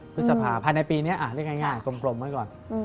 พฤษภาภายในปีนี้เรียกง่ายกลมไว้ก่อน